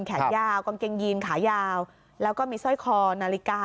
แขนยาวกางเกงยีนขายาวแล้วก็มีสร้อยคอนาฬิกา